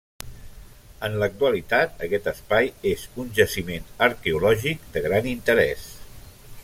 En l'actualitat aquest espai és un jaciment arqueològic de gran interès.